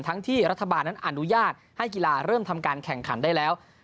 ที่รัฐบาลนั้นอนุญาตให้กีฬาเริ่มทำการแข่งขันได้แล้ว